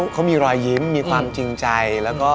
เขามีรอยยิ้มมีความจริงใจ